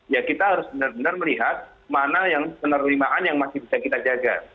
ya kita harus benar benar melihat mana yang penerimaan yang masih bisa kita jaga